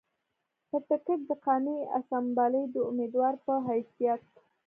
پۀ ټکټ د قامي اسمبلۍ د اميدوار پۀ حېثيت